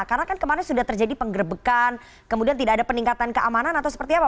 karena kan kemarin sudah terjadi penggerbekan kemudian tidak ada peningkatan keamanan atau seperti apa